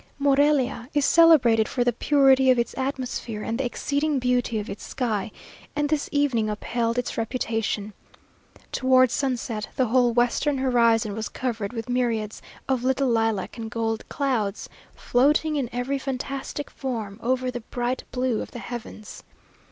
Morelia is celebrated for the purity of its atmosphere and the exceeding beauty of its sky; and this evening upheld its reputation. Toward sunset, the whole western horizon was covered with myriads of little lilac and gold clouds, floating in every fantastic form over the bright blue of the heavens.